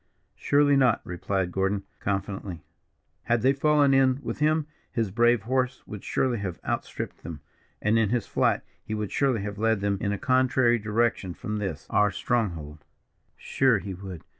"Surely not," replied Gordon, confidently. "Had they fallen in with him, his brave horse would surely have outstripped them, and in his flight he would surely have led them in a contrary direction from this, our stronghold." "Sure he would.